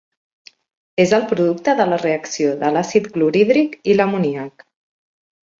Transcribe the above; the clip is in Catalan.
És el producte de la reacció de l'àcid clorhídric i l'amoníac.